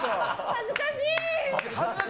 恥ずかしい！